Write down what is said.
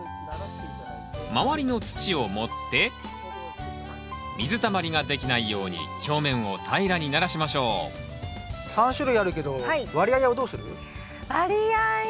周りの土を盛って水たまりができないように表面を平らにならしましょう３種類あるけど割合はどうする？割合